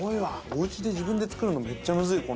おうちで自分で作るのめっちゃむずい